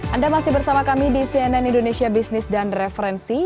anda masih bersama kami di cnn indonesia business dan referensi